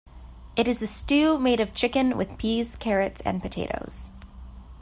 It is a stew made of chicken with peas, carrots, and potatoes.